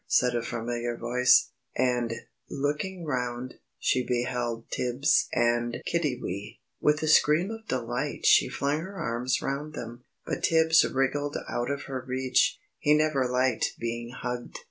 said a familiar voice, and, looking round, she beheld Tibbs and Kiddiwee. With a scream of delight, she flung her arms round them, but Tibbs wriggled out of her reach he never liked being hugged.